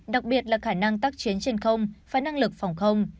đặc biệt là khả năng tác chiến trên không và năng lực phòng không